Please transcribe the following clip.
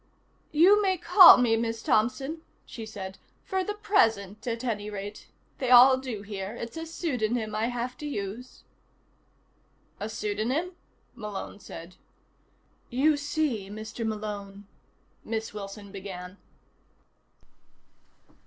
"You may call me Miss Thompson," she said. "For the present, at any rate. They all do here. It's a pseudonym I have to use." "A pseudonym?" Malone said. "You see, Mr. Malone," Miss Wilson began.